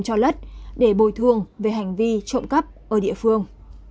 cho lất để bồi thương về hành vi trộm cấp ở địa phương